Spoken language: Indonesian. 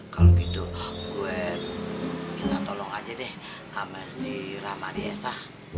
kalo gitu gue minta tolong aja deh sama si ramadiesa